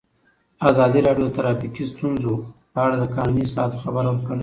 ازادي راډیو د ټرافیکي ستونزې په اړه د قانوني اصلاحاتو خبر ورکړی.